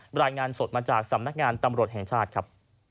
รายงานสดมาจากสำนักงานตำรวจแห่งชาติครับ